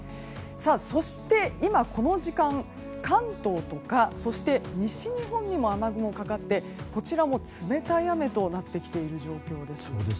そして、この時間関東とか西日本にも雨雲がかかってこちらも冷たい雨となってきている状況です。